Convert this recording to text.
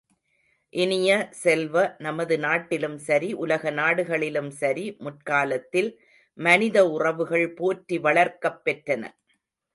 இனிய செல்வ, நமது நாட்டிலும் சரி, உலக நாடுகளிலும் சரி முற்காலத்தில் மனித உறவுகள் போற்றி வளர்க்கப்பெற்றன.